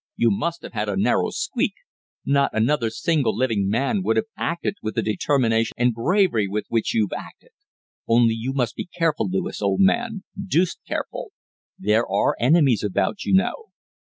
You must have had a narrow squeak! Not another single living man would have acted with the determination and bravery with which you've acted. Only you must be careful, Lewis, old man deuced careful. There are enemies about, you know.'